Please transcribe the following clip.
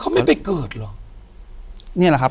อยู่ที่แม่ศรีวิรัยยิลครับ